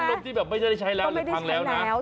เอาพัดลมที่ไม่ได้ใช้แล้วหรือพังแล้วนะใช่ไหมไม่ได้ใช้แล้ว